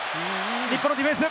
日本のディフェンス！